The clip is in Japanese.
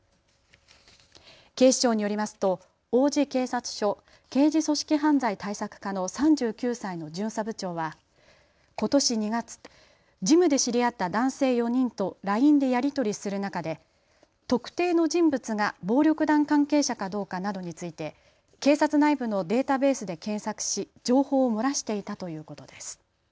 警視庁によりますと王子警察署刑事組織犯罪対策課の３９歳の巡査部長はことし２月、ジムで知り合った男性４人とＬＩＮＥでやり取りする中で特定の人物が暴力団関係者かどうかなどについて警察内部のデータベースで検索し情報を漏らしていたということです。